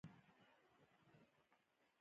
څنګه کولی شم د ماشومانو لپاره د جنت حورې بیان کړم